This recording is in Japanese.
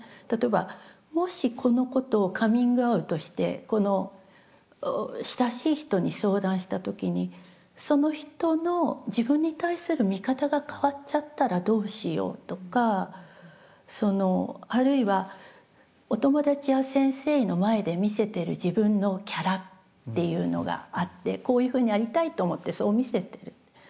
例えばもしこのことをカミングアウトしてこの親しい人に相談した時にその人の自分に対する見方が変わっちゃったらどうしようとかあるいはお友達や先生の前で見せてる自分のキャラっていうのがあってこういうふうにありたいと思ってそう見せてる。